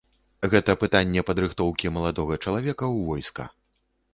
Гэта пытанне падрыхтоўкі маладога чалавека ў войска.